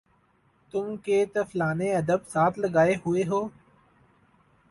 تُم کہ طفلانِ ادب ساتھ لگائے ہُوئے ہو